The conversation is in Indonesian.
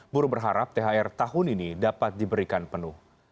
buruh berharap thr tahun ini dapat diberikan penuh